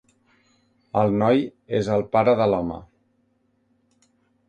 El noi és el pare de l'home.